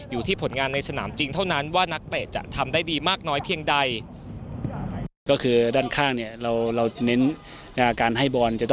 ผลงานในสนามจริงเท่านั้นว่านักเตะจะทำได้ดีมากน้อยเพียงใด